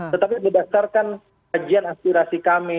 tetapi berdasarkan kajian aspirasi kami